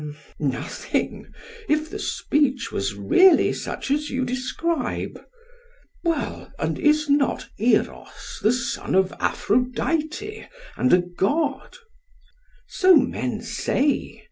PHAEDRUS: Nothing, if the speech was really such as you describe. SOCRATES: Well, and is not Eros the son of Aphrodite, and a god? PHAEDRUS: So men say.